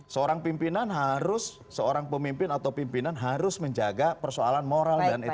seorang pimpinan harus seorang pemimpin atau pimpinan harus menjaga persoalan moral dan etik